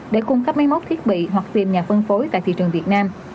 để cung cấp máy móc thiết bị hoặc tìm nhà phân phối tại thị trường việt nam